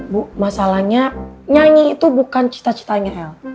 bu masalahnya nyanyi itu bukan cita citanya hel